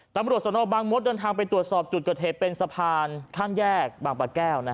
ตำรวจสนบางมดเดินทางไปตรวจสอบจุดเกิดเหตุเป็นสะพานข้ามแยกบางปะแก้ว